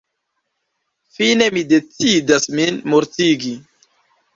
Fine mi decidas min mortigi.